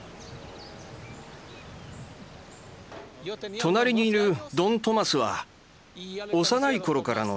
隣にいるドン・トマスは幼い頃からの知り合いです。